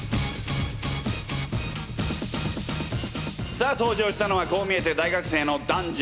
さあ登場したのはこう見えて大学生の男女。